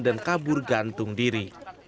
dan kabur gantung diri